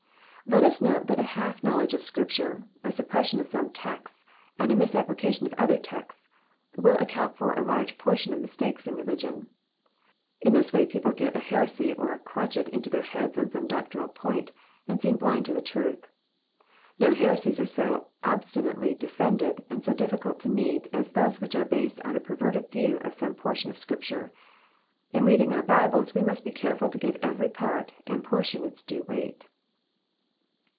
Let us note that a half knowledge of Scripture, a suppression of some texts, and a misapplication of other texts, will account for a large portion of mistakes in religion. In this way people get a heresy or a crotchet into their heads on some doctrinal point, and seem blind to the truth. No heresies are so obsti nately defended, and so diflcult to meet, as those which are based on a perverted view of some portion of Scripture. In reading our Bibles, we must be careM to give every part and portion its due weight.